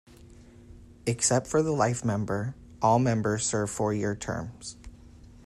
Except for the life member, all members served four-year terms.